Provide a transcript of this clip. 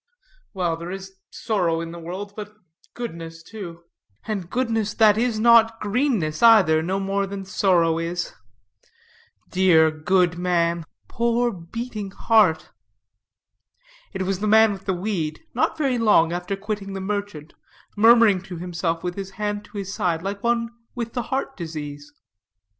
"Well, there is sorrow in the world, but goodness too; and goodness that is not greenness, either, no more than sorrow is. Dear good man. Poor beating heart!" It was the man with the weed, not very long after quitting the merchant, murmuring to himself with his hand to his side like one with the heart disease.